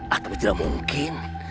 atau tidak mungkin